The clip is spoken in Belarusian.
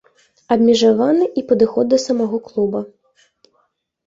Абмежаваны і падыход да самога клуба.